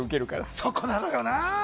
そこなのよな。